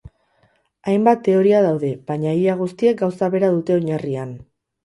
Hainbat teoria daude, baina ia guztiek gauza bera dute oinarrian.